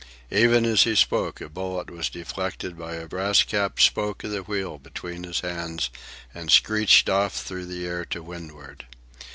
Even as he spoke, a bullet was deflected by a brass capped spoke of the wheel between his hands and screeched off through the air to windward.